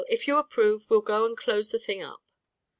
If you approve, we'll go and close the thing up."